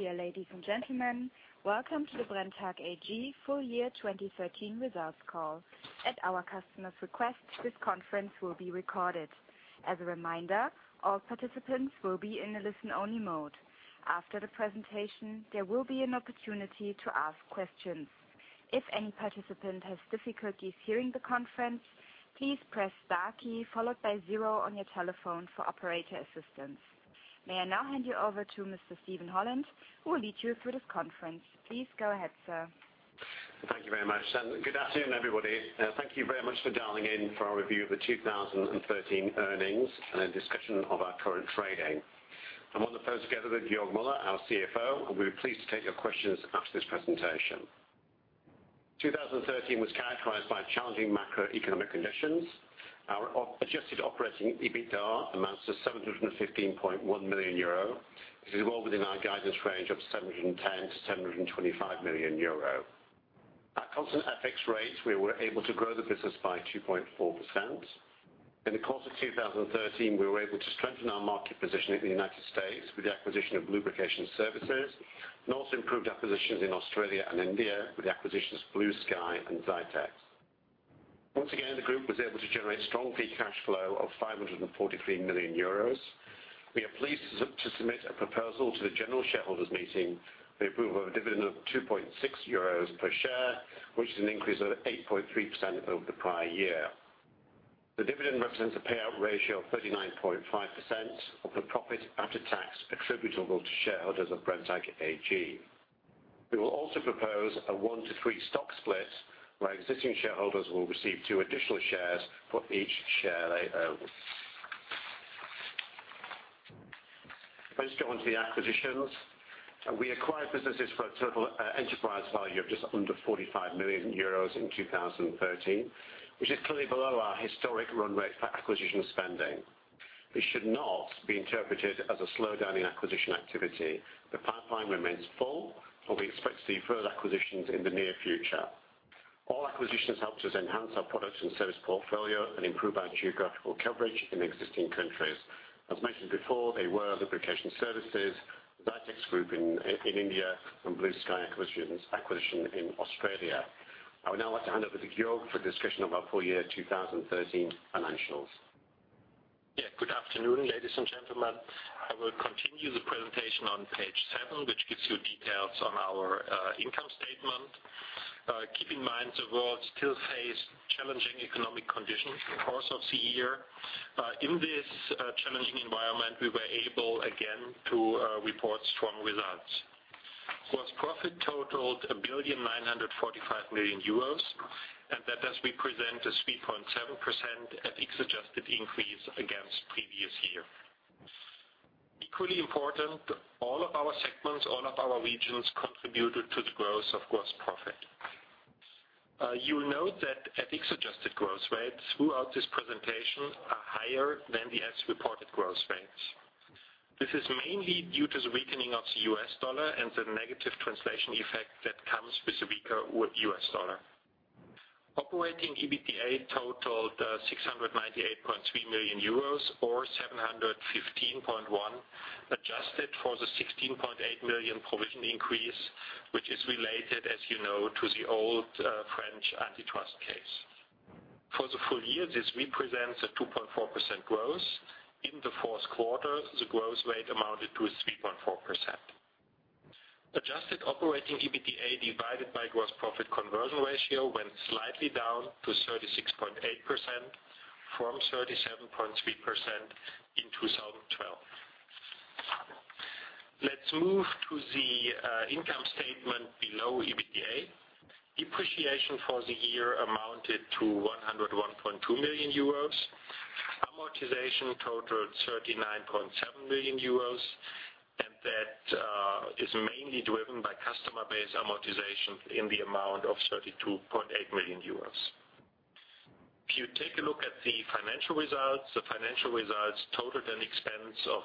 Dear ladies and gentlemen, welcome to the Brenntag AG full year 2013 results call. At our customer's request, this conference will be recorded. As a reminder, all participants will be in a listen-only mode. After the presentation, there will be an opportunity to ask questions. If any participant has difficulties hearing the conference, please press star key followed by zero on your telephone for operator assistance. May I now hand you over to Mr. Steven Holland, who will lead you through this conference. Please go ahead, sir. Thank you very much. Good afternoon, everybody. Thank you very much for dialing in for our review of the 2013 earnings and a discussion of our current trading. I'm on the phone together with Georg Müller, our CFO, and we'll be pleased to take your questions after this presentation. 2013 was characterized by challenging macroeconomic conditions. Our adjusted operating EBITDA amounts to 715.1 million euro. This is well within our guidance range of 710 million-725 million euro. At constant FX rates, we were able to grow the business by 2.4%. In the course of 2013, we were able to strengthen our market position in the U.S. with the acquisition of Lubrication Services, and also improved our positions in Australia and India with the acquisitions Blue Sky and Zytex. Once again, the group was able to generate strong free cash flow of 543 million euros. We are pleased to submit a proposal to the general shareholders meeting for the approval of a dividend of 2.6 euros per share, which is an increase of 8.3% over the prior year. The dividend represents a payout ratio of 39.5% of the profit after tax attributable to shareholders of Brenntag AG. We will also propose a one-to-three stock split, where existing shareholders will receive two additional shares for each share they own. Let's go on to the acquisitions. We acquired businesses for a total enterprise value of just under 45 million euros in 2013, which is clearly below our historic run rate for acquisition spending. This should not be interpreted as a slowdown in acquisition activity. The pipeline remains full, and we expect to see further acquisitions in the near future. All acquisitions helped us enhance our products and service portfolio and improve our geographical coverage in existing countries. As mentioned before, they were Lubrication Services, Zytex Group in India, and Blue Sky acquisition in Australia. I would now like to hand over to Georg for a discussion of our full year 2013 financials. Good afternoon, ladies and gentlemen. I will continue the presentation on page seven, which gives you details on our income statement. Keep in mind the world still faced challenging economic conditions in the course of the year. In this challenging environment, we were able again to report strong results. Gross profit totaled 1.945 billion, and that does represent a 3.7% FX-adjusted increase against previous year. Equally important, all of our segments, all of our regions, contributed to the growth of gross profit. You will note that FX-adjusted growth rates throughout this presentation are higher than the as-reported growth rates. This is mainly due to the weakening of the U.S. dollar and the negative translation effect that comes with a weaker U.S. dollar. Operating EBITDA totaled 698.3 million euros or 715.1 million, adjusted for the 16.8 million provision increase, which is related, as you know, to the old French antitrust case. For the full year, this represents a 2.4% growth. In the fourth quarter, the growth rate amounted to 3.4%. Adjusted operating EBITDA divided by gross profit conversion ratio went slightly down to 36.8%, from 37.3% in 2012. Let's move to the income statement below EBITDA. Depreciation for the year amounted to 101.2 million euros. Amortization totaled 39.7 million euros, that is mainly driven by customer-based amortization in the amount of 32.8 million euros. If you take a look at the financial results, the financial results totaled an expense of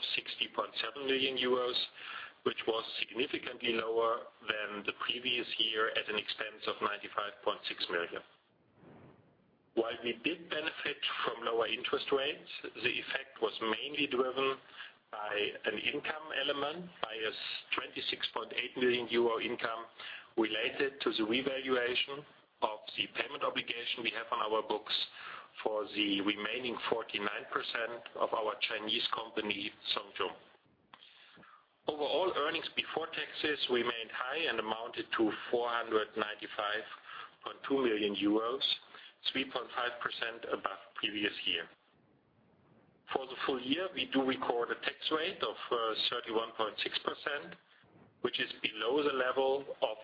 60.7 million euros, which was significantly lower than the previous year at an expense of 95.6 million. We did benefit from lower interest rates, the effect was mainly driven by an income element, by a 26.8 million euro income related to the revaluation of the payment obligation we have on our books for the remaining 49% of our Chinese company, Zhong Yung. Overall earnings before taxes remained high and amounted to 495.2 million euros, 3.5% above previous year. For the full year, we do record a tax rate of 31.6%, which is below the level of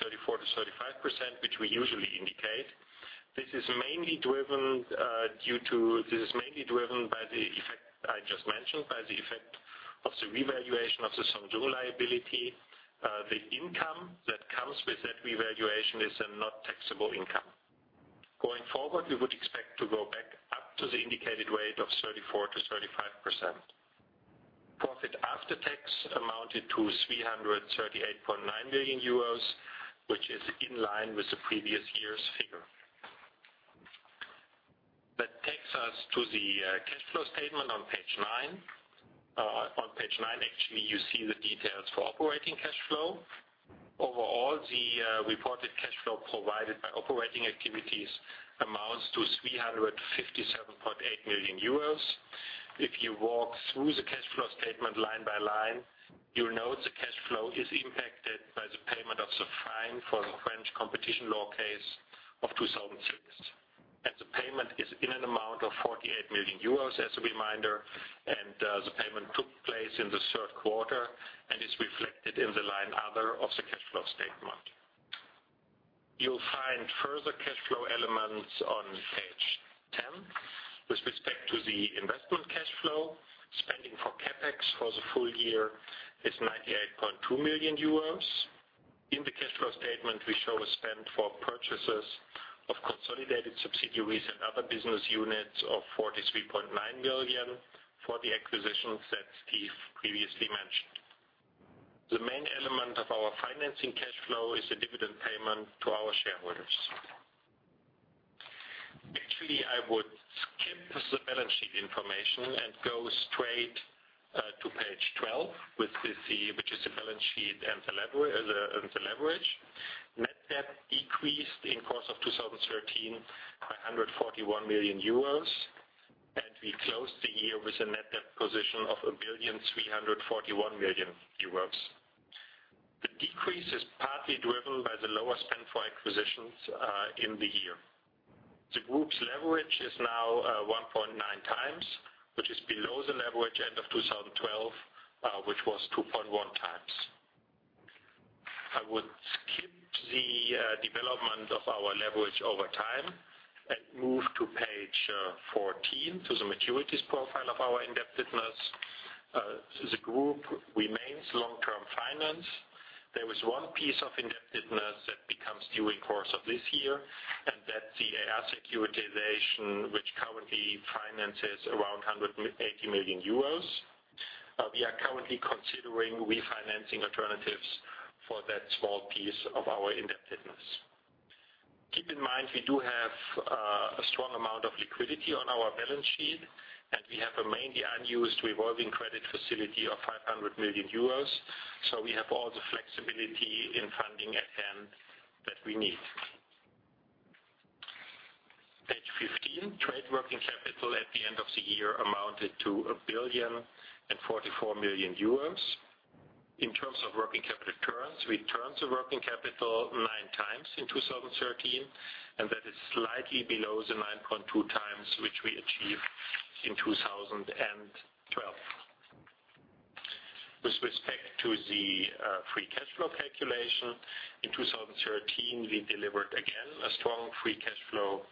34%-35%, which we usually indicate. This is mainly driven by the effect I just mentioned, by the effect of the revaluation of the Zhong Yung liability. The income that comes with that revaluation is a not taxable income. Going forward, we would expect to go back up to the indicated rate of 34%-35%. Profit after tax amounted to 338.9 million euros, which is in line with the previous year's figure. To the cash flow statement on page nine. On page nine, you see the details for operating cash flow. Overall, the reported cash flow provided by operating activities amounts to 357.8 million euros. If you walk through the cash flow statement line by line, you will note the cash flow is impacted by the payment of the fine for the French competition law case of 2006. The payment is in an amount of 48 million euros, as a reminder, and the payment took place in the third quarter and is reflected in the line other of the cash flow statement. You will find further cash flow elements on page 10. With respect to the investment cash flow, spending for CapEx for the full year is 98.2 million euros. In the cash flow statement, we show a spend for purchases of consolidated subsidiaries and other business units of 43.9 million for the acquisitions that Steve previously mentioned. The main element of our financing cash flow is the dividend payment to our shareholders. Actually, I would skip the balance sheet information and go straight to page 12, which is the balance sheet and the leverage. Net debt decreased in course of 2013 by 141 million euros, and we closed the year with a net debt position of 1,341 million euros. The decrease is partly driven by the lower spend for acquisitions in the year. The group's leverage is now 1.9 times, which is below the leverage end of 2012, which was 2.1 times. I would skip the development of our leverage over time and move to page 14, to the maturities profile of our indebtedness. The group remains long-term finance. There is one piece of indebtedness that becomes due in course of this year, and that's the AR securitization, which currently finances around 180 million euros. We are currently considering refinancing alternatives for that small piece of our indebtedness. Keep in mind, we do have a strong amount of liquidity on our balance sheet, and we have a mainly unused revolving credit facility of 500 million euros. So we have all the flexibility in funding at hand that we need. Page 15, trade working capital at the end of the year amounted to 1,044 million euros. In terms of working capital turns, we turned the working capital nine times in 2013, and that is slightly below the 9.2 times, which we achieved in 2012. With respect to the free cash flow calculation, in 2013, we delivered again a strong free cash flow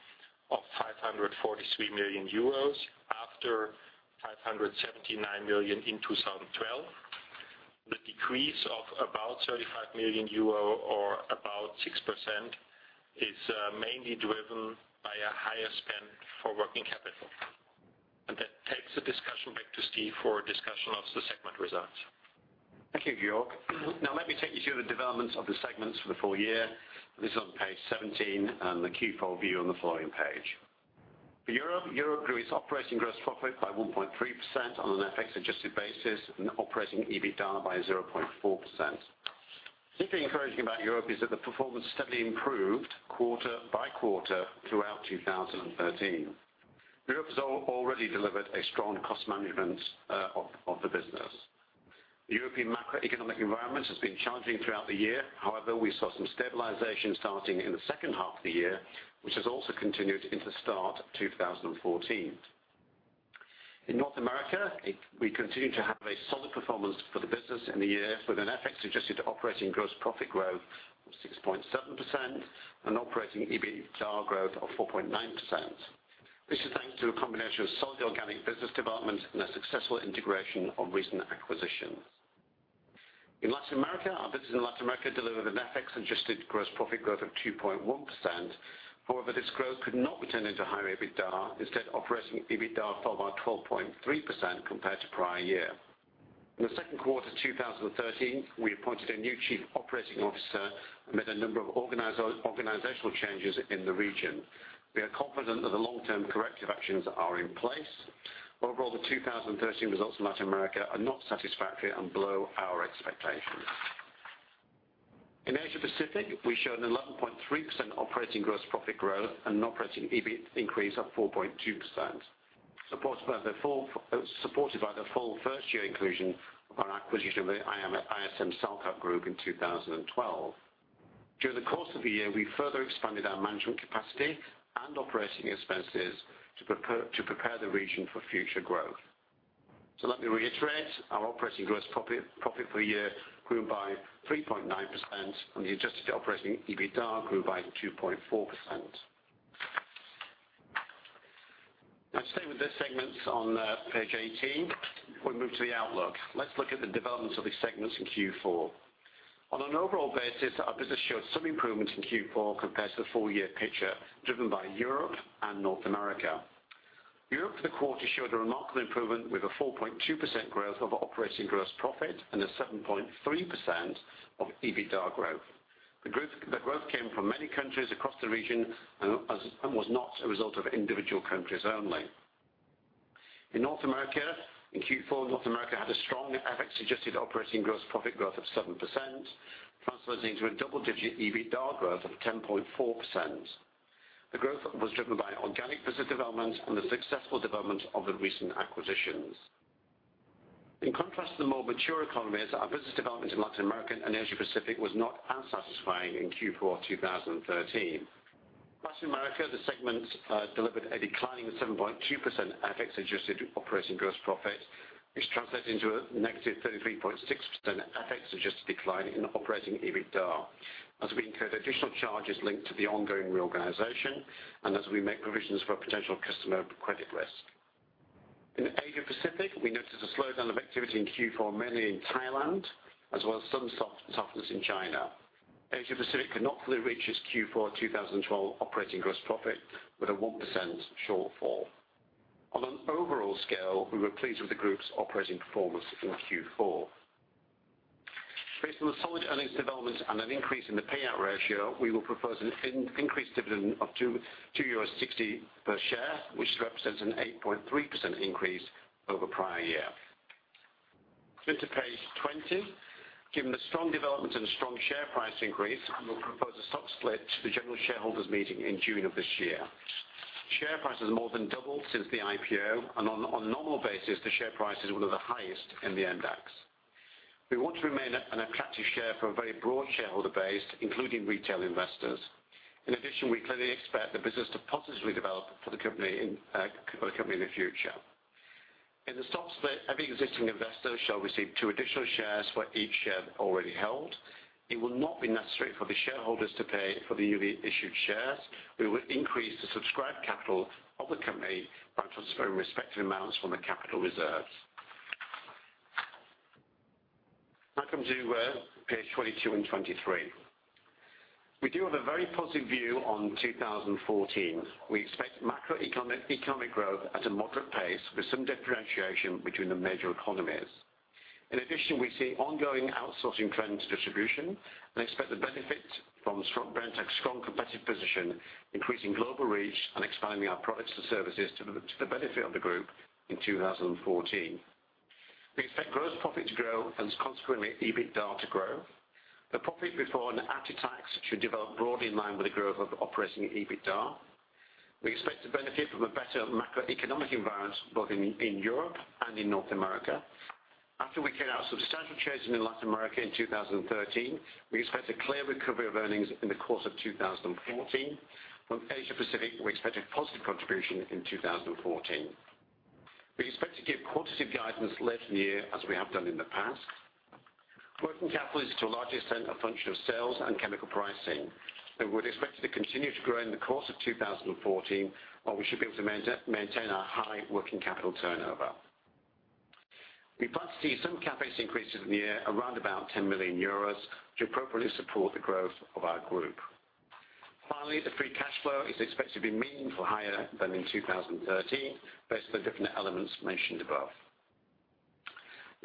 of 543 million euros after 579 million in 2012. The decrease of about 35 million euro or about 6% is mainly driven by a higher spend for working capital. And that takes the discussion back to Steve for a discussion of the segment results. Thank you, Georg. Let me take you through the developments of the segments for the full year. This is on page 17, and the Q4 view on the following page. For Europe grew its operating gross profit by 1.3% on an FX-adjusted basis and operating EBITDA by 0.4%. Particularly encouraging about Europe is that the performance steadily improved quarter by quarter throughout 2013. Europe has already delivered a strong cost management of the business. The European macroeconomic environment has been challenging throughout the year. However, we saw some stabilization starting in the second half of the year, which has also continued into start 2014. In North America, we continued to have a solid performance for the business in the year with an FX-adjusted operating gross profit growth of 6.7% and operating EBITDA growth of 4.9%. This is thanks to a combination of solid organic business development and a successful integration of recent acquisitions. In Latin America, our business in Latin America delivered an FX-adjusted gross profit growth of 2.1%. However, this growth could not be turned into high EBITDA. Instead, operating EBITDA fell by 12.3% compared to prior year. In the second quarter 2013, we appointed a new Chief Operating Officer amid a number of organizational changes in the region. We are confident that the long-term corrective actions are in place. Overall, the 2013 results in Latin America are not satisfactory and below our expectations. In Asia Pacific, we showed an 11.3% operating gross profit growth and an operating EBIT increase of 4.2%, supported by the full first-year inclusion of our acquisition of the ISM Salkat Group in 2012. During the course of the year, we further expanded our management capacity and operating expenses to prepare the region for future growth. Let me reiterate, our operating gross profit for the year grew by 3.9% and the adjusted operating EBITDA grew by 2.4%. To stay with the segments on page 18, we move to the outlook. Let's look at the developments of these segments in Q4. On an overall basis, our business showed some improvements in Q4 compared to the full-year picture driven by Europe and North America. Europe for the quarter showed a remarkable improvement with a 4.2% growth of operating gross profit and a 7.3% of EBITDA growth. The growth came from many countries across the region and was not a result of individual countries only. In North America, in Q4, North America had a strong FX-adjusted operating gross profit growth of 7%, translating to a double-digit EBITDA growth of 10.4%. The growth was driven by organic business development and the successful development of the recent acquisitions. In contrast to the more mature economies, our business development in Latin America and Asia Pacific was not as satisfying in Q4 2013. Latin America, the segment delivered a decline of 7.2% FX-adjusted operating gross profit, which translates into a negative 33.6% FX-adjusted decline in operating EBITDA. As we incur additional charges linked to the ongoing reorganization and as we make provisions for potential customer credit risk. In Asia Pacific, we noticed a slowdown of activity in Q4, mainly in Thailand, as well as some softness in China. Asia Pacific could not fully reach its Q4 2012 operating gross profit with a 1% shortfall. On an overall scale, we were pleased with the group's operating performance in Q4. Based on the solid earnings development and an increase in the payout ratio, we will propose an increased dividend of 2.60 euros per share, which represents an 8.3% increase over the prior year. Turn to page 20. Given the strong development and strong share price increase, we will propose a stock split to the general shareholders meeting in June of this year. Share price has more than doubled since the IPO, and on a normal basis, the share price is one of the highest in the MDAX. We want to remain an attractive share for a very broad shareholder base, including retail investors. In addition, we clearly expect the business to positively develop for the company in the future. In the stock split, every existing investor shall receive two additional shares for each share already held. It will not be necessary for the shareholders to pay for the newly issued shares. We will increase the subscribed capital of the company by transferring respective amounts from the capital reserves. Now come to page 22 and 23. We do have a very positive view on 2014. We expect macroeconomic growth at a moderate pace with some differentiation between the major economies. In addition, we see ongoing outsourcing trends distribution and expect the benefit from Brenntag's strong competitive position, increasing global reach, and expanding our products and services to the benefit of the group in 2014. We expect gross profit to grow and consequently, EBITDAR to grow. The profit before and after tax should develop broadly in line with the growth of operating EBITDAR. We expect to benefit from a better macroeconomic environment, both in Europe and in North America. After we carried out substantial changes in Latin America in 2013, we expect a clear recovery of earnings in the course of 2014. From Asia Pacific, we expect a positive contribution in 2014. We expect to give quantitative guidance later in the year as we have done in the past. Working capital is to a large extent a function of sales and chemical pricing, and we'd expect it to continue to grow in the course of 2014, while we should be able to maintain our high working capital turnover. We plan to see some CapEx increases in the year around about 10 million euros to appropriately support the growth of our group. Finally, the free cash flow is expected to be meaningfully higher than in 2013 based on the different elements mentioned above.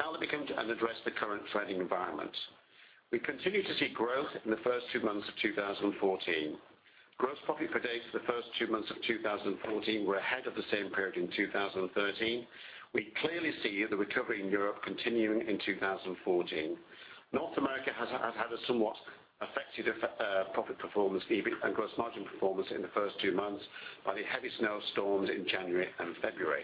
Now let me come and address the current trading environment. We continue to see growth in the first two months of 2014. Gross profit for dates for the first two months of 2014 were ahead of the same period in 2013. We clearly see the recovery in Europe continuing in 2014. North America has had a somewhat affected profit performance and gross margin performance in the first two months by the heavy snow storms in January and February.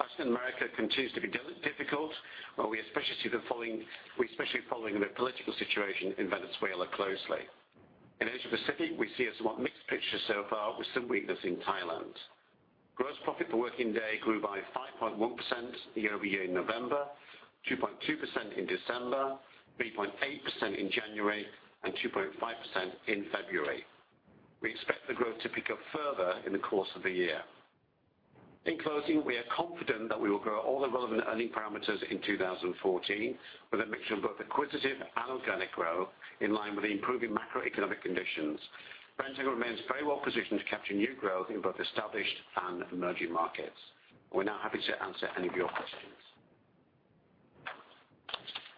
Latin America continues to be difficult, while we're especially following the political situation in Venezuela closely. In Asia Pacific, we see a somewhat mixed picture so far with some weakness in Thailand. Gross profit per working day grew by 5.1% year-over-year in November, 2.2% in December, 3.8% in January, and 2.5% in February. We expect the growth to pick up further in the course of the year. In closing, we are confident that we will grow all the relevant earning parameters in 2014 with a mixture of both acquisitive and organic growth in line with the improving macroeconomic conditions. Brenntag remains very well positioned to capture new growth in both established and emerging markets. We're now happy to answer any of your questions.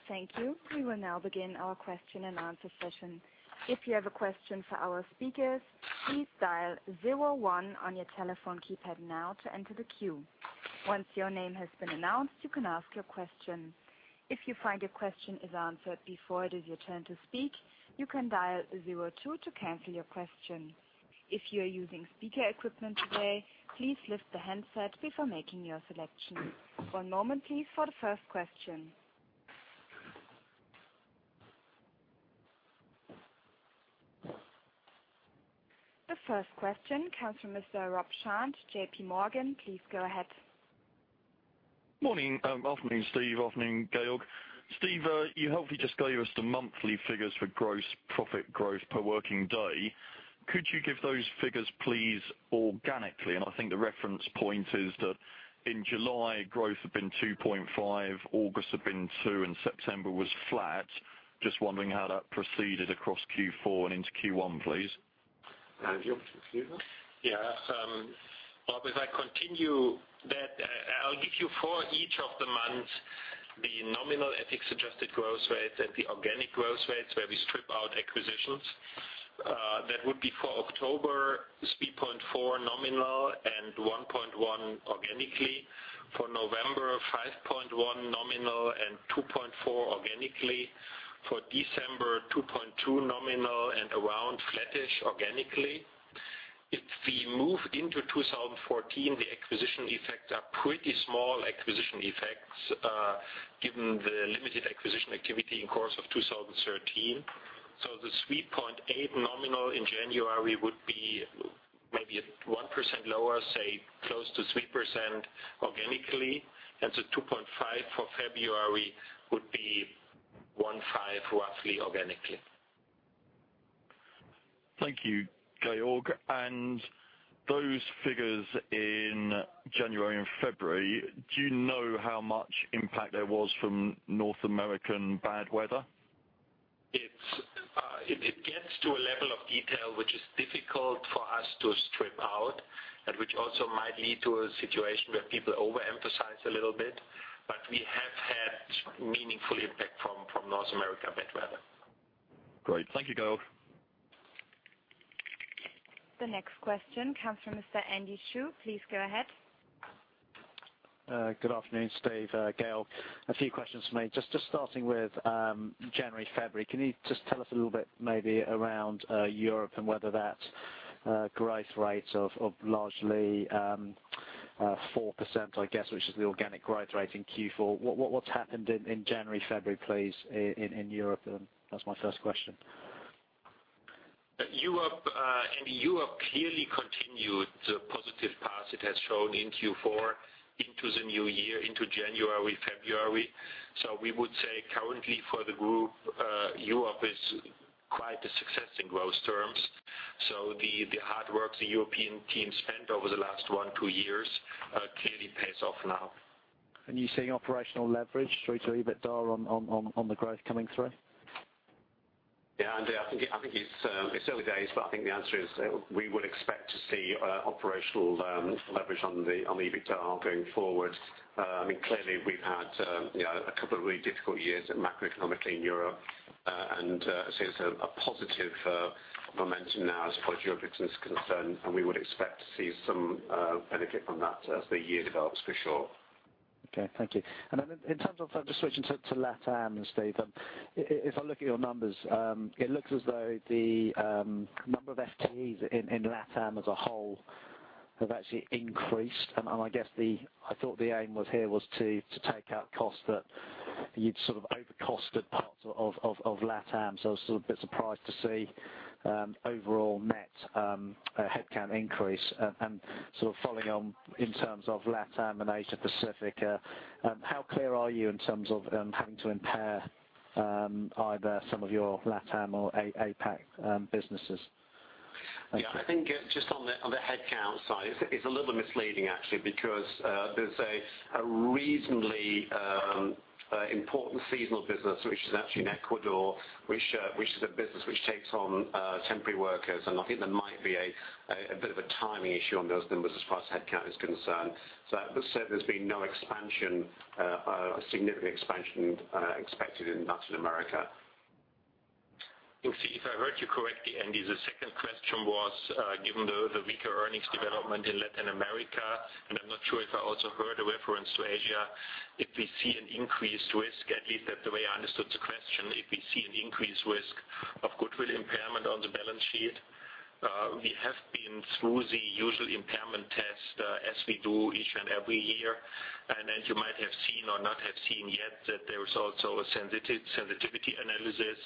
Thank you. We will now begin our question and answer session. If you have a question for our speakers, please dial 01 on your telephone keypad now to enter the queue. Once your name has been announced, you can ask your question. If you find your question is answered before it is your turn to speak, you can dial 02 to cancel your question. If you are using speaker equipment today, please lift the handset before making your selection. One moment please for the first question. The first question comes from Mr. [Rob Shanct], JPMorgan. Please go ahead. Morning. Afternoon, Steve. Afternoon, Georg. Steve, you helpfully just gave us the monthly figures for gross profit growth per working day. Could you give those figures, please, organically? I think the reference point is that in July, growth had been 2.5, August had been two, and September was flat. Just wondering how that proceeded across Q4 and into Q1, please. Have you, excuse us? Yeah. Well, if I continue that, I'll give you for each of the months the nominal EPS-adjusted growth rates and the organic growth rates where we strip out acquisitions. That would be for October, 3.4 nominal and 1.1 organically. For November, 5.1 nominal and 2.4 organically. For December, 2.2 nominal and around flattish organically. If we move into 2014, the acquisition effects are pretty small acquisition effects, given the limited acquisition activity in course of 2013. The 3.8 nominal in January would be maybe 1% lower, say close to 3% organically. So 2.5 for February would be 1.5 roughly organically. Thank you, Georg. Those figures in January and February, do you know how much impact there was from North American bad weather? It gets to a level of detail which is difficult for us to strip out and which also might lead to a situation where people overemphasize a little bit. We have had meaningful impact from North America bad weather. Great. Thank you, Georg. The next question comes from Mr. Andy Chu. Please go ahead. Good afternoon, Steve, Georg. A few questions from me. Just starting with January, February. Can you just tell us a little bit maybe around Europe and whether that growth rate of largely 4%, I guess, which is the organic growth rate in Q4. What's happened in January, February, please, in Europe then? That's my first question. Andy, Europe clearly continued the positive path it has shown in Q4 into the new year, into January, February. We would say currently for the group, Europe is quite a success in growth terms. The hard work the European team spent over the last one, two years clearly pays off now. You're seeing operational leverage through to EBITDA on the growth coming through? Yeah, Andy, I think it's early days, but I think the answer is we would expect to see operational leverage on the EBITDA going forward. Clearly, we've had a couple of really difficult years macroeconomically in Europe, and I see a positive momentum now as far as Europe is concerned, and we would expect to see some benefit from that as the year develops for sure. Okay. Thank you. In terms of, just switching to LatAm, Steve. If I look at your numbers, it looks as though the number of FTEs in LatAm as a whole have actually increased and I thought the aim here was to take out costs that you'd overcosted parts of LatAm. I was a bit surprised to see overall net headcount increase. Following on in terms of LatAm and Asia Pacific, how clear are you in terms of having to impair either some of your LatAm or APAC businesses? Thank you. I think just on the headcount side, it's a little misleading actually, because there's a reasonably important seasonal business, which is actually in Ecuador, which is a business which takes on temporary workers, and I think there might be a bit of a timing issue on those numbers as far as headcount is concerned. That said, there's been no significant expansion expected in Latin America. If I heard you correctly, Andy, the second question was, given the weaker earnings development in Latin America, and I'm not sure if I also heard a reference to Asia, if we see an increased risk, at least that the way I understood the question, if we see an increased risk of goodwill impairment on the balance sheet. We have been through the usual impairment test as we do each and every year. As you might have seen or not have seen yet, that there is also a sensitivity analysis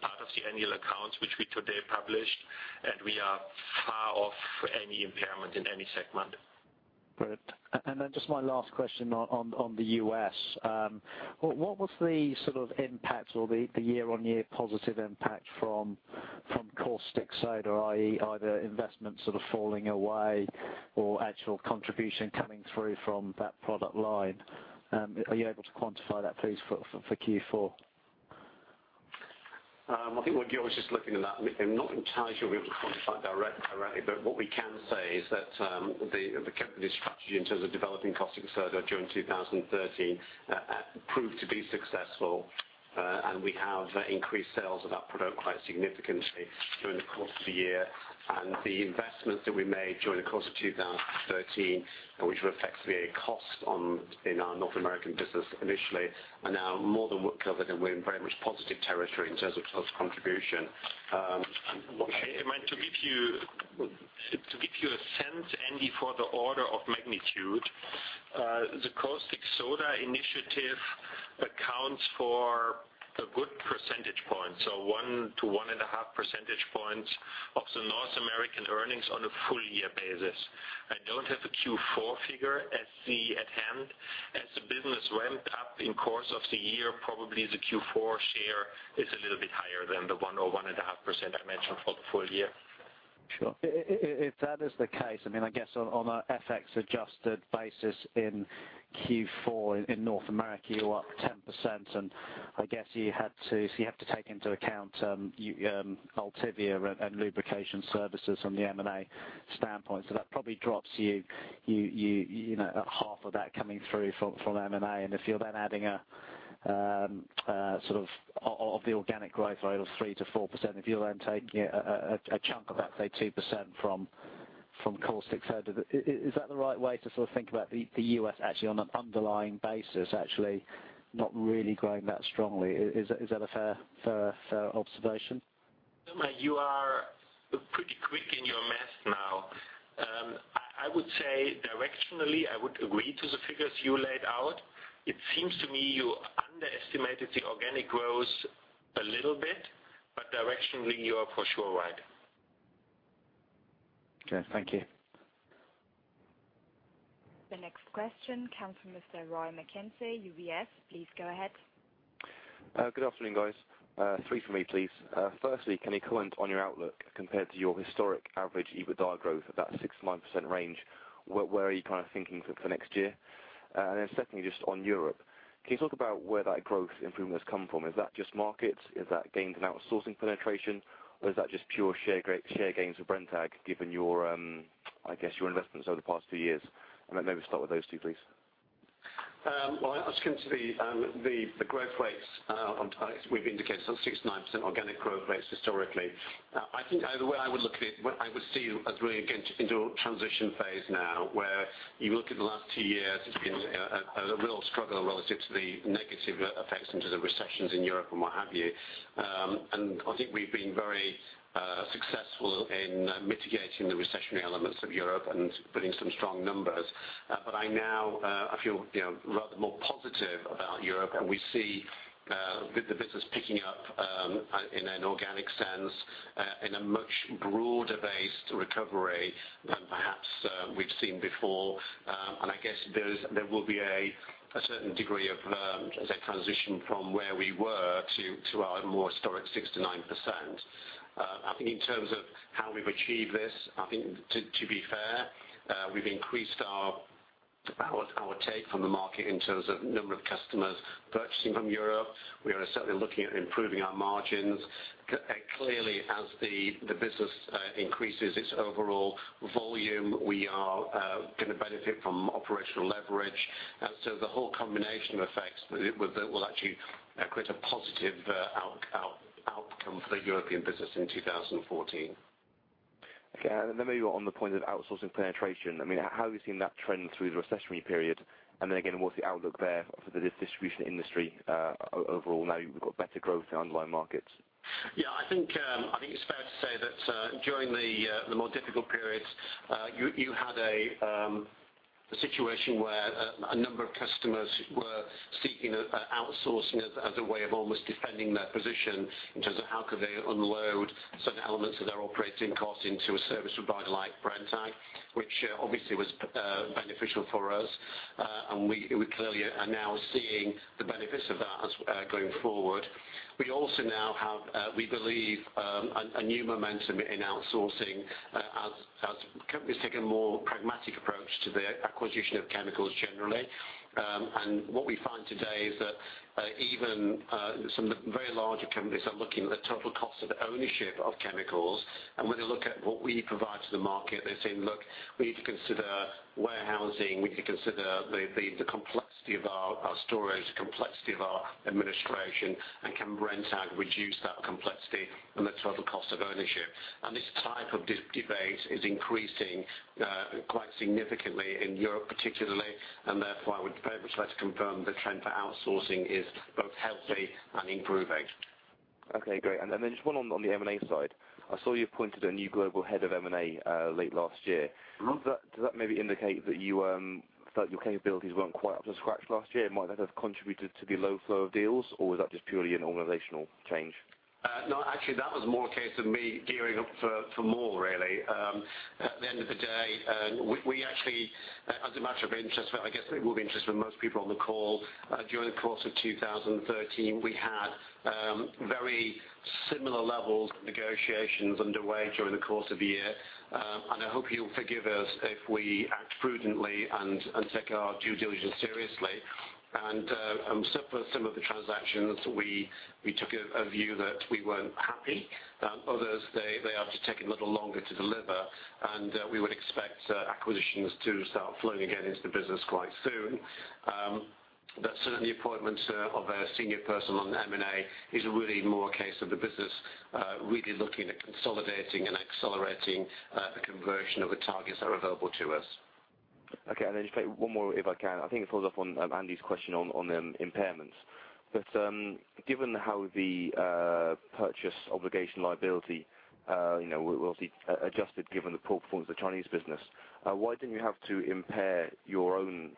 part of the annual accounts which we today published, and we are far off any impairment in any segment. Great. Just my last question on the U.S. What was the impact or the year-on-year positive impact from caustic soda, i.e. either investments that are falling away or actual contribution coming through from that product line? Are you able to quantify that, please, for Q4? I think what Georg was just looking at, I'm not entirely sure we able to quantify it directly, but what we can say is that the strategy in terms of developing caustic soda during 2013 proved to be successful, and we have increased sales of that product quite significantly during the course of the year. The investments that we made during the course of 2013, which were effectively a cost in our North American business initially, are now more than recovered, and we're in very much positive territory in terms of cost contribution. To give you a sense, Andy, for the order of magnitude, the caustic soda initiative accounts for a good percentage point. One to one and a half percentage points of the North American earnings on a full year basis. I don't have the Q4 figure at hand As the business ramped up in course of the year, probably the Q4 share is a little bit higher than the 1% or 1.5% I mentioned for the full year. Sure. If that is the case, I guess on an FX-adjusted basis in Q4 in North America, you're up 10%. I guess you have to take into account Altivia and Lubrication Services from the M&A standpoint. That probably drops half of that coming through from M&A. If you're then adding the organic growth rate of 3%-4%, if you're taking a chunk of that, say 2% from caustic soda, is that the right way to think about the U.S. actually on an underlying basis, actually not really growing that strongly? Is that a fair observation? You are pretty quick in your math now. I would say directionally, I would agree to the figures you laid out. It seems to me you underestimated the organic growth a little bit, directionally, you are for sure right. Okay, thank you. The next question comes from Mr. Rory McKenzie, UBS. Please go ahead. Good afternoon, guys. Three from me, please. Firstly, can you comment on your outlook compared to your historic average EBITDA growth at that 6%-9% range? Where are you thinking for next year? Then secondly, just on Europe, can you talk about where that growth improvement has come from? Is that just markets? Is that gains in outsourcing penetration, or is that just pure share gains for Brenntag given your investments over the past few years? Maybe start with those two, please. Well, I'll just come to the growth rates. We've indicated some 6%-9% organic growth rates historically. I think the way I would look at it, I would see us really getting into a transition phase now, where you look at the last two years, it's been a real struggle relative to the negative effects and to the recessions in Europe and what have you. I think we've been very successful in mitigating the recessionary elements of Europe and putting some strong numbers. I now feel rather more positive about Europe, We see the business picking up in an organic sense in a much broader-based recovery than perhaps we've seen before. I guess there will be a certain degree of transition from where we were to our more historic 6%-9%. I think in terms of how we've achieved this, I think to be fair, we've increased our take from the market in terms of number of customers purchasing from Europe. We are certainly looking at improving our margins. Clearly, as the business increases its overall volume, we are going to benefit from operational leverage. The whole combination of effects will actually create a positive outcome for the European business in 2014. Okay. Maybe on the point of outsourcing penetration, how have you seen that trend through the recessionary period? Again, what's the outlook there for the distribution industry overall now you've got better growth in underlying markets? Yeah, I think it's fair to say that during the more difficult periods, you had a situation where a number of customers were seeking outsourcing as a way of almost defending their position in terms of how could they unload certain elements of their operating costs into a service provider like Brenntag, which obviously was beneficial for us. We clearly are now seeing the benefits of that going forward. We also now have, we believe, a new momentum in outsourcing as companies take a more pragmatic approach to the acquisition of chemicals generally. What we find today is that even some of the very larger companies are looking at the total cost of ownership of chemicals. When they look at what we provide to the market, they're saying, "Look, we need to consider warehousing. We need to consider the complexity of our storage, complexity of our administration, and can Brenntag reduce that complexity and the total cost of ownership?" This type of debate is increasing quite significantly in Europe particularly, and therefore I would very much like to confirm the trend for outsourcing is both healthy and improving. Okay, great. Then just one on the M&A side. I saw you appointed a new global head of M&A late last year. Does that maybe indicate that your capabilities weren't quite up to scratch last year? Might that have contributed to the low flow of deals, or was that just purely an organizational change? No, actually, that was more a case of me gearing up for more, really. At the end of the day, we actually, as a matter of interest, I guess it will be interesting for most people on the call, during the course of 2013, we had very similar levels of negotiations underway during the course of the year. I hope you'll forgive us if we act prudently and take our due diligence seriously. For some of the transactions, we took a view that we weren't happy. Others, they have just taken a little longer to deliver, we would expect acquisitions to start flowing again into the business quite soon. Certainly, the appointment of a senior person on M&A is really more a case of the business really looking at consolidating and accelerating the conversion of the targets that are available to us. Okay. Then just one more if I can. I think it follows up on Andy's question on impairments. Given how the purchase obligation liability will be adjusted given the poor performance of the Chinese business, why didn't you have to impair your own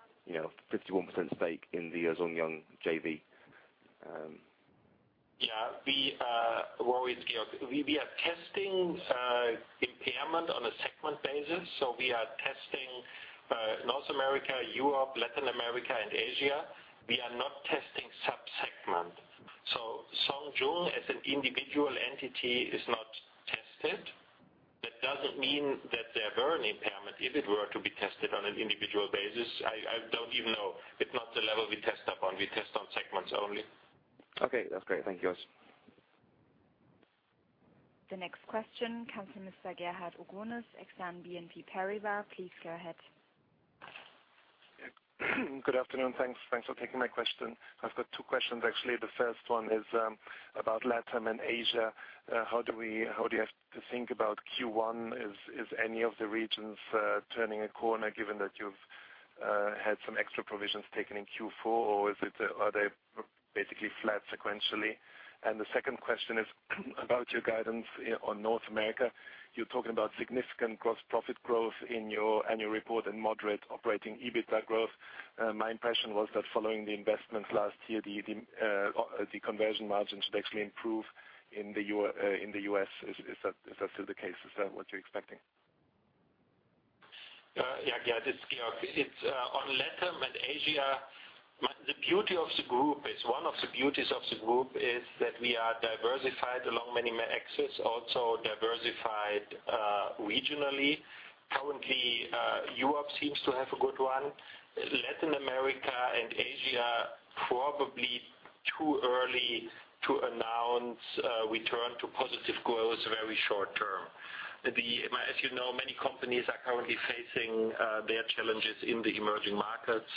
51% stake in the Zhong Yung JV? We are testing impairment on a segment basis. We are testing North America, Europe, Latin America, and Asia. We are not testing sub-segment. Songjun as an individual entity is not tested. That doesn't mean that there weren't impairment if it were to be tested on an individual basis. I don't even know. It's not the level we test upon. We test on segments only. Okay. That's great. Thank you. The next question comes from Mr. Gerhard Orgonas, Exane BNP Paribas. Please go ahead. Good afternoon. Thanks for taking my question. I've got two questions, actually. The first one is about LatAm and Asia. How do you have to think about Q1? Is any of the regions turning a corner given that you've had some extra provisions taken in Q4, or are they basically flat sequentially? The second question is about your guidance on North America. You're talking about significant gross profit growth in your annual report and moderate operating EBITDA growth. My impression was that following the investments last year, the conversion margin should actually improve in the U.S. Is that still the case? Is that what you're expecting? This is Georg. It's on LatAm and Asia. One of the beauties of the group is that we are diversified along many axes, also diversified regionally. Currently, Europe seems to have a good one. Latin America and Asia, probably too early to announce a return to positive growth very short term. As you know, many companies are currently facing their challenges in the emerging markets.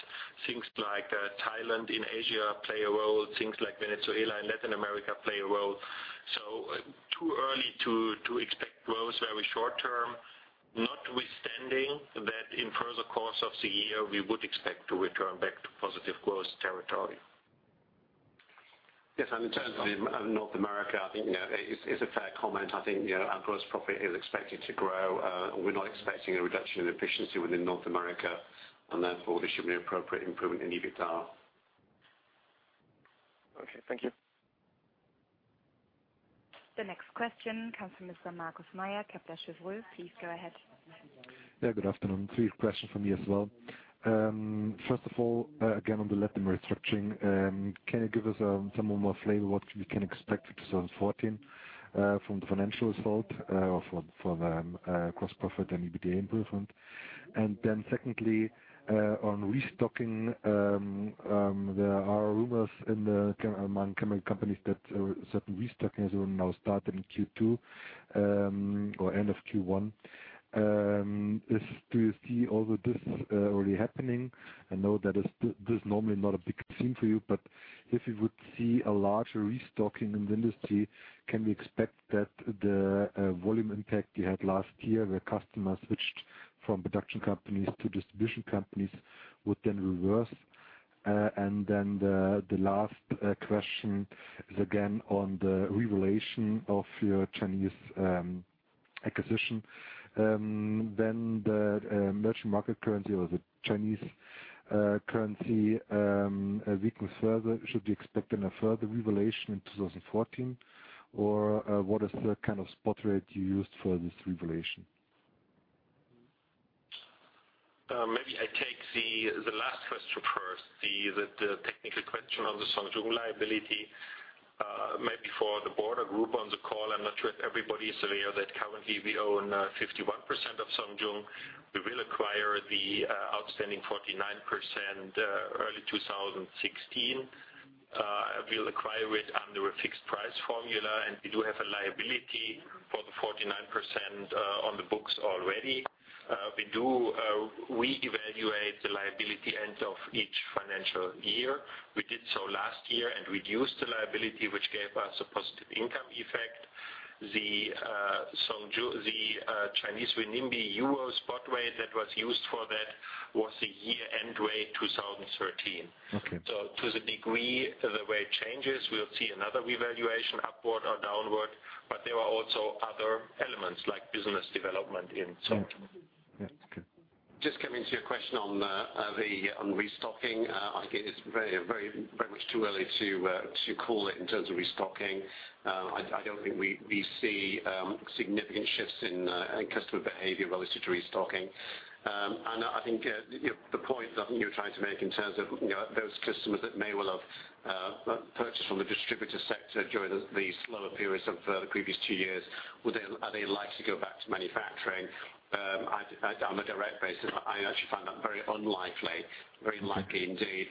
Things like Thailand in Asia play a role, things like Venezuela and Latin America play a role. Too early to expect growth very short term, notwithstanding that in further course of the year, we would expect to return back to positive growth territory. Yes. In terms of North America, I think it's a fair comment. I think our gross profit is expected to grow. We're not expecting a reduction in efficiency within North America, and therefore, there should be appropriate improvement in EBITDA. Okay. Thank you. The next question comes from Mr. Markus Mayer, Kepler Cheuvreux. Please go ahead. Yeah. Good afternoon. Three questions from me as well. First of all, again, on the LatAm restructuring, can you give us some more flavor what we can expect for 2014, from the financial result, or for the gross profit and EBITDA improvement? Secondly, on restocking, there are rumors among chemical companies that certain restocking will now start in Q2, or end of Q1. Do you see all of this already happening? I know that this is normally not a big thing for you, but if you would see a larger restocking in the industry, can we expect that the volume impact you had last year, where customers switched from production companies to distribution companies would then reverse? The last question is again on the revaluation of your Chinese acquisition. The merchant market currency or the Chinese currency weakens further. Should we expect then a further revaluation in 2014? What is the kind of spot rate you used for this revaluation? Maybe I take the last question first, the technical question on the Zhong Yung liability. Maybe for the broader group on the call, I am not sure if everybody is aware that currently we own 51% of Zhong Yung. We will acquire the outstanding 49% early 2016. We will acquire it under a fixed price formula, and we do have a liability for the 49% on the books already. We evaluate the liability end of each financial year. We did so last year and reduced the liability, which gave us a positive income effect. The Chinese renminbi Euro spot rate that was used for that was the year-end rate 2013. Okay. To the degree the rate changes, we will see another revaluation upward or downward, but there are also other elements like business development in Zhong Yung. Yeah. Okay. Just coming to your question on restocking, I think it's very much too early to call it in terms of restocking. I don't think we see significant shifts in customer behavior related to restocking. I think the point that you're trying to make in terms of those customers that may well have purchased from the distributor sector during the slower periods of the previous two years, are they likely to go back to manufacturing? On a direct basis, I actually find that very unlikely indeed.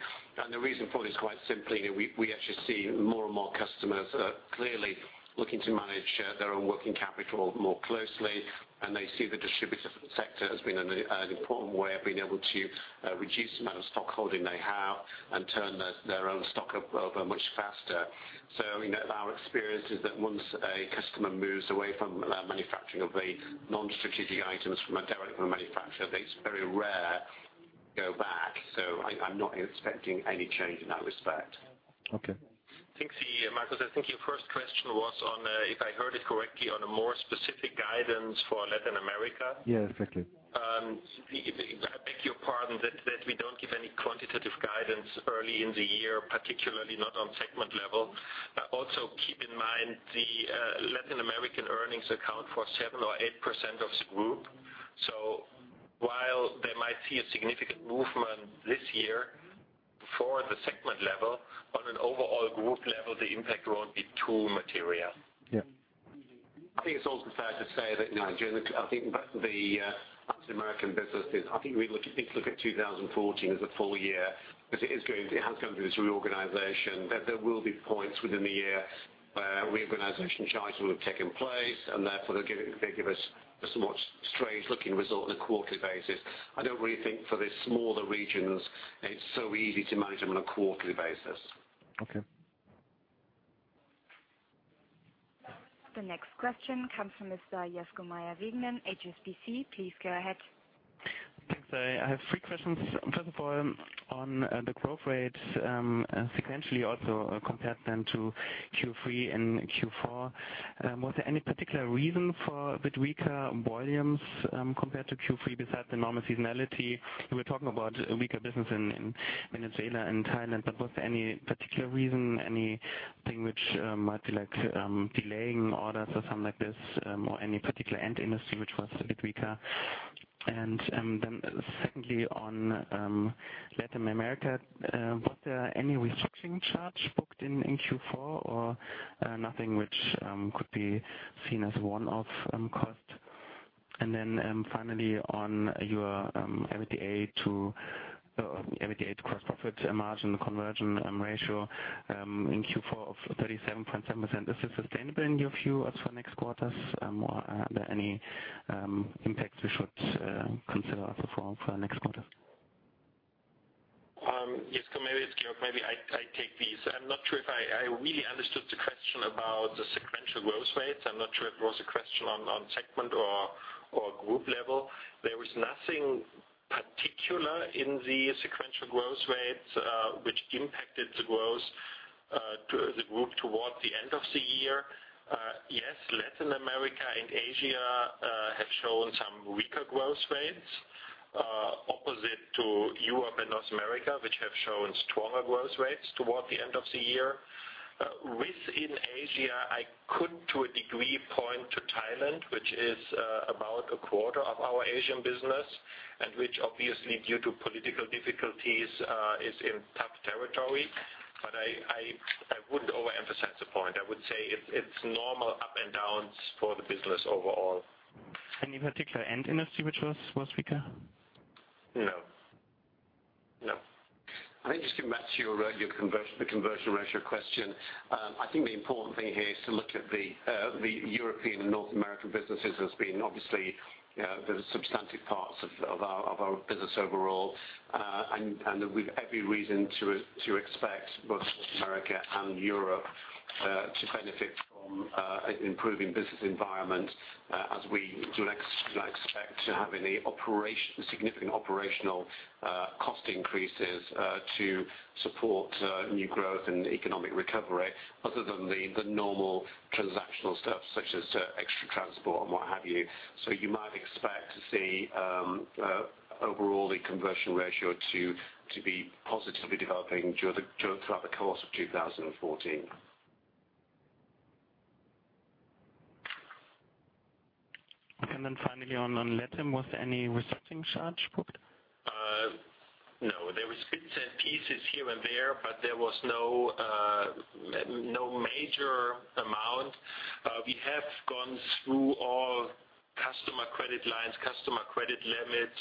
The reason for it is quite simply that we actually see more and more customers clearly looking to manage their own working capital more closely, and they see the distributor sector has been an important way of being able to reduce the amount of stockholding they have and turn their own stock over much faster. Our experience is that once a customer moves away from manufacturing of the non-strategic items from a direct manufacturer, that it's very rare to go back. I'm not expecting any change in that respect. Okay. Markus, I think your first question was on, if I heard it correctly, on a more specific guidance for Latin America. Yeah. Exactly. Pardon, that we don't give any quantitative guidance early in the year, particularly not on segment level. Also keep in mind, the Latin American earnings account for 7% or 8% of the group. While they might see a significant movement this year for the segment level, on an overall group level, the impact won't be too material. Yeah. I think it's also fair to say that, I think the North American business is, I think if you look at 2014 as a full year, because it has gone through this reorganization, that there will be points within the year where reorganization charges will have taken place, Therefore, they give us a somewhat strange looking result on a quarterly basis. I don't really think for the smaller regions, it's so easy to manage them on a quarterly basis. Okay. The next question comes from Mr. Jesko Mayer-Wegelin, HSBC. Please go ahead. Thanks. I have three questions. First of all, on the growth rate, sequentially also compared to Q3 and Q4. Was there any particular reason for a bit weaker volumes compared to Q3 beside the normal seasonality? You were talking about weaker business in Venezuela and Thailand, was there any particular reason, anything which might be like delaying orders or something like this, or any particular end industry which was a bit weaker? Secondly, on Latin America, was there any restructuring charge booked in Q4 or nothing which could be seen as one-off cost? Finally on your EBITDA to gross profit margin conversion ratio in Q4 of 37.7%. Is this sustainable in your view as for next quarters or are there any impacts we should consider as for next quarter? Jesco, maybe it's Georg. Maybe I take these. I'm not sure if I really understood the question about the sequential growth rates. I'm not sure if it was a question on segment or group level. There was nothing particular in the sequential growth rates, which impacted the group towards the end of the year. Latin America and Asia have shown some weaker growth rates, opposite to Europe and North America, which have shown stronger growth rates toward the end of the year. Within Asia, I could, to a degree, point to Thailand, which is about a quarter of our Asian business, and which obviously due to political difficulties is in tough territory. I wouldn't overemphasize the point. I would say it's normal up and downs for the business overall. Any particular end industry which was weaker? No. I think just coming back to your conversion ratio question. I think the important thing here is to look at the European and North American businesses as being obviously the substantive parts of our business overall. With every reason to expect both North America and Europe to benefit from improving business environment as we do not expect to have any significant operational cost increases to support new growth and economic recovery other than the normal transactional stuff such as extra transport and what have you. You might expect to see overall the conversion ratio to be positively developing throughout the course of 2014. Okay. Finally on LatAm, was there any restructuring charge booked? No. There was bits and pieces here and there, but there was no major amount. We have gone through all customer credit lines, customer credit limits,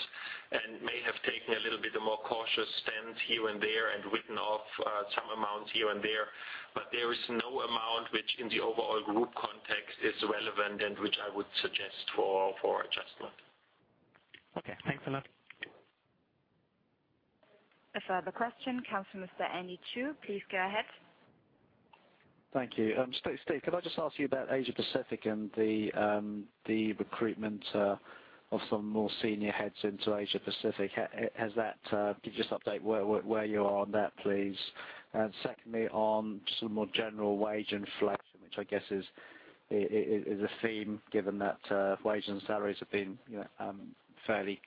and may have taken a little bit of more cautious stance here and there and written off some amounts here and there, but there is no amount which in the overall group context is relevant and which I would suggest for adjustment. Okay. Thanks a lot. A further question comes from Mr. Andy Chu. Please go ahead. Thank you. Steve, could I just ask you about Asia Pacific and the recruitment of some more senior heads into Asia Pacific. Could you just update where you are on that, please? Secondly, on some more general wage inflation, which I guess is a theme given that wages and salaries have been fairly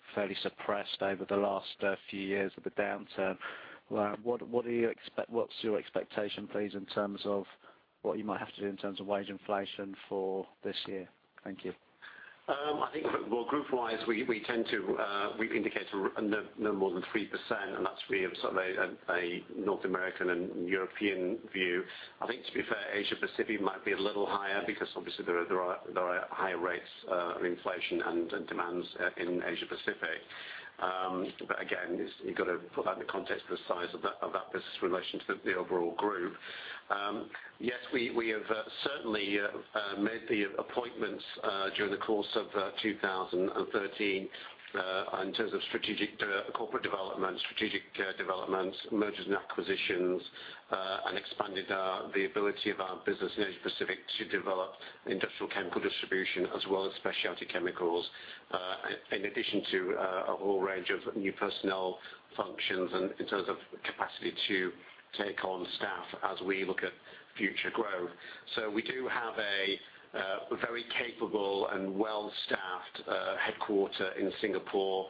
suppressed over the last few years of the downturn. What's your expectation, please, in terms of what you might have to do in terms of wage inflation for this year? Thank you. I think group wise, we've indicated no more than 3%, and that's really a North American and European view. I think to be fair, Asia Pacific might be a little higher because obviously there are higher rates of inflation and demands in Asia Pacific. Again, you've got to put that in the context of the size of that business in relation to the overall group. Yes, we have certainly made the appointments during the course of 2013 in terms of corporate development, strategic developments, mergers and acquisitions and expanded the ability of our business in Asia Pacific to develop industrial chemical distribution as well as specialty chemicals, in addition to a whole range of new personnel functions and in terms of capacity to take on staff as we look at future growth. We do have a very capable and well-staffed headquarter in Singapore,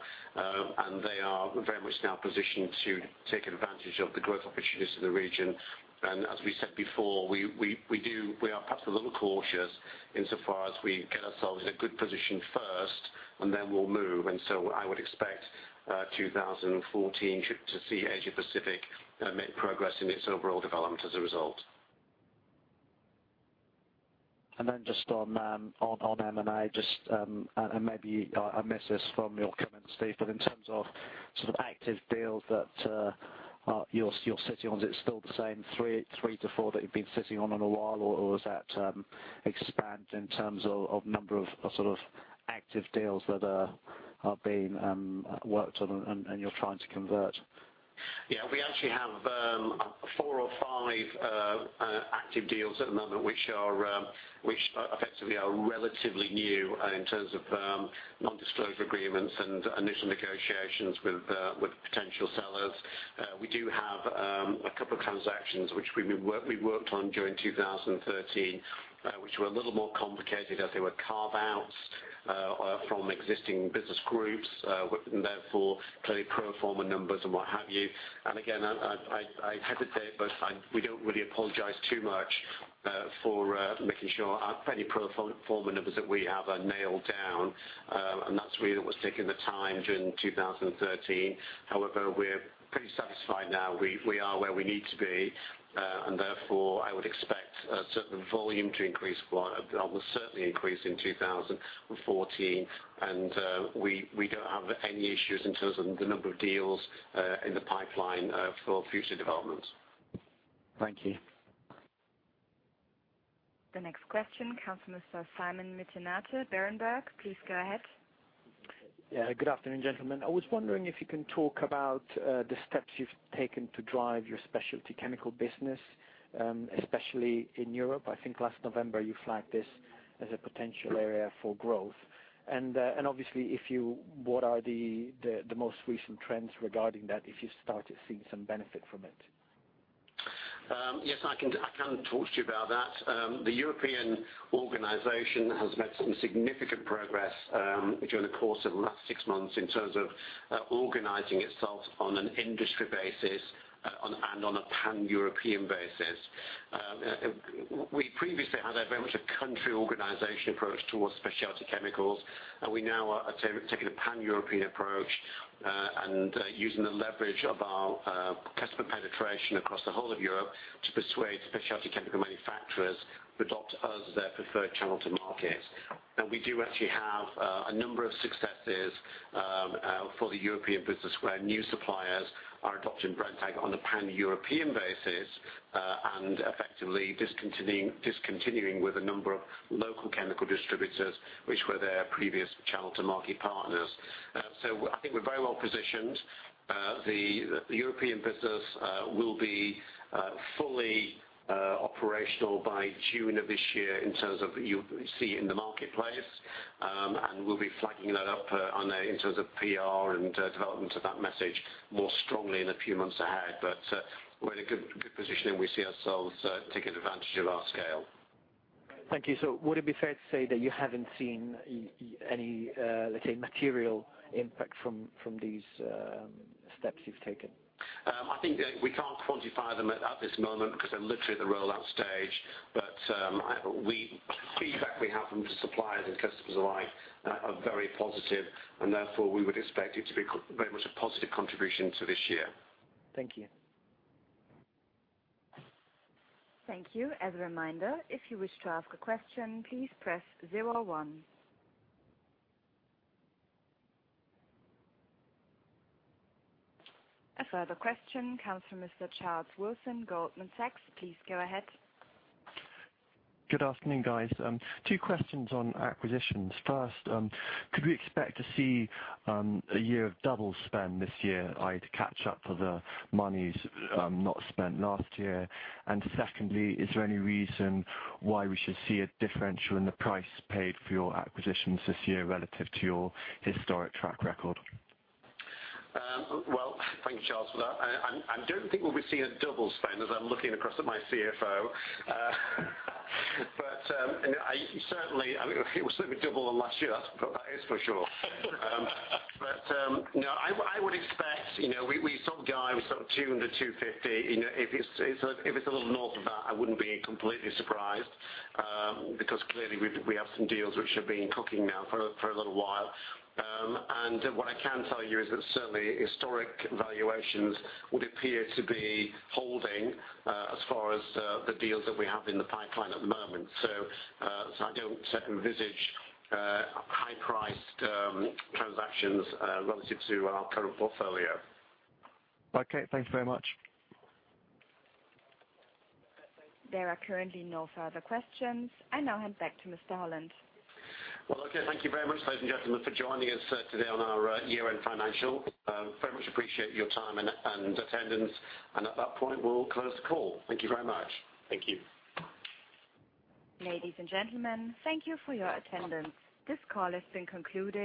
and they are very much now positioned to take advantage of the growth opportunities in the region. As we said before, we are perhaps a little cautious insofar as we get ourselves in a good position first, and then we'll move. I would expect 2014 to see Asia Pacific make progress in its overall development as a result. Just on M&A, maybe I missed this from your comments, Steve, in terms of sort of active deals that you're sitting on, is it still the same three to four that you've been sitting on a while, or has that expanded in terms of number of sort of active deals that are being worked on and you're trying to convert? We actually have four or five active deals at the moment, which effectively are relatively new in terms of nondisclosure agreements and initial negotiations with potential sellers. We do have a couple of transactions which we worked on during 2013, which were a little more complicated as they were carve-outs from existing business groups, therefore plenty pro forma numbers and what have you. Again, I hesitate, but we don't really apologize too much for making sure any pro forma numbers that we have are nailed down. That's really what's taking the time during 2013. However, we're pretty satisfied now. We are where we need to be. Therefore, I would expect a certain volume to increase, or will certainly increase in 2014. We don't have any issues in terms of the number of deals in the pipeline for future developments. Thank you. The next question comes from Mr. Simon Mezzanotte, Berenberg. Please go ahead. Good afternoon, gentlemen. I was wondering if you can talk about the steps you've taken to drive your specialty chemical business, especially in Europe. I think last November you flagged this as a potential area for growth. Obviously, what are the most recent trends regarding that, if you started seeing some benefit from it? Yes, I can talk to you about that. The European organization has made some significant progress during the course of the last six months in terms of organizing itself on an industry basis and on a pan-European basis. We previously had a very much a country organization approach towards specialty chemicals, we now are taking a pan-European approach, and using the leverage of our customer penetration across the whole of Europe to persuade specialty chemical manufacturers to adopt us as their preferred channel to market. We do actually have a number of successes for the European business, where new suppliers are adopting Brenntag on a pan-European basis, and effectively discontinuing with a number of local chemical distributors, which were their previous channel to market partners. I think we're very well positioned. The European business will be fully operational by June of this year in terms of you see in the marketplace. We'll be flagging that up in terms of PR and development of that message more strongly in the few months ahead. We're in a good position, and we see ourselves taking advantage of our scale. Thank you. Would it be fair to say that you haven't seen any, let's say, material impact from these steps you've taken? I think that we can't quantify them at this moment because they're literally at the rollout stage. Feedback we have from the suppliers and customers alike are very positive, and therefore, we would expect it to be very much a positive contribution to this year. Thank you. Thank you. As a reminder, if you wish to ask a question, please press 01. A further question comes from Mr. Charles Wilson, Goldman Sachs. Please go ahead. Good afternoon, guys. Two questions on acquisitions. First, could we expect to see a year of double spend this year, i.e., to catch up for the monies not spent last year? Secondly, is there any reason why we should see a differential in the price paid for your acquisitions this year relative to your historic track record? Well, thank you, Charles, for that. I don't think we'll be seeing a double spend as I'm looking across at my CFO. It will certainly be double on last year, that is for sure. No, I would expect, we sort of guide, we sort of 200-250. If it's a little north of that, I wouldn't be completely surprised, because clearly we have some deals which have been cooking now for a little while. What I can tell you is that certainly historic valuations would appear to be holding, as far as the deals that we have in the pipeline at the moment. I don't envisage high-priced transactions relative to our current portfolio. Okay, thank you very much. There are currently no further questions. I now hand back to Mr. Holland. Well, okay, thank you very much, ladies and gentlemen, for joining us today on our year-end financial. Very much appreciate your time and attendance. At that point, we'll close the call. Thank you very much. Thank you. Ladies and gentlemen, thank you for your attendance. This call has been concluded.